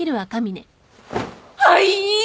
はい？